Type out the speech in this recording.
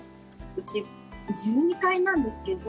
うち１２階なんですけど。